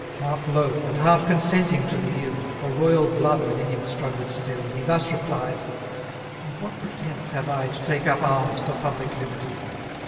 Half loath, and half consenting to the ill, For royal blood within him struggled still, He thus replied: And what pretence have I To take up arms for public liberty?